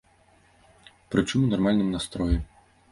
Прычым у нармальным настроі.